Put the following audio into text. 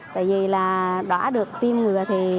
tại vì đã được tiêm ngừa